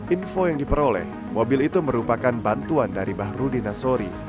info yang diperoleh mobil itu merupakan bantuan dari bahrudin asori